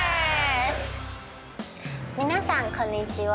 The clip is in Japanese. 皆さんこんにちは。